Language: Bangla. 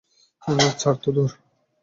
ছাড় তো, ধুর।